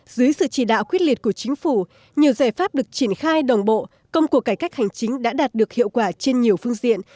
dưới sự chỉ đạo quyết liệt của chính phủ nhiều giải pháp được triển khai đồng bộ công cuộc cải cách hành chính đã đạt được hiệu quả trên nhiều phương diện